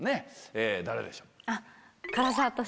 誰でしょう？